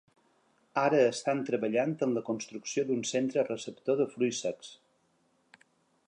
Ara estan treballant en la construcció d’un centre receptor de fruits secs.